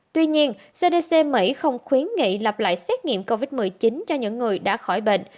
tuy nhiên cdc mỹ không khuyến nghị lập lại xét nghiệm covid một mươi chín cho những người đã khỏi bệnh